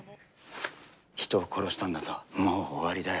人を殺したんだぞ。